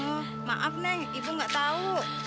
oh maaf nek ibu gak tau